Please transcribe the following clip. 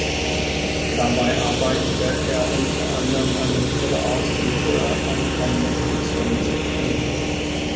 Dabei arbeitete er unter anderem eine Methode aus, die Höhe ankommender Flugzeuge zu bestimmen.